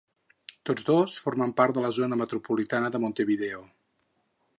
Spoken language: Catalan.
Tots dos formen part de la zona metropolitana de Montevideo.